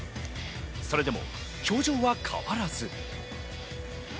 それでも表情は変わらず。